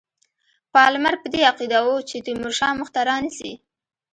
پالمر په دې عقیده وو چې تیمورشاه مخته رانه سي.